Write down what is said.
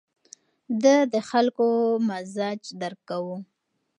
ده د خلکو مزاج درک کاوه.